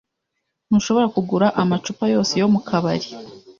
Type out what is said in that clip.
Ntushobora kugura 'amacupa yose yo mukabari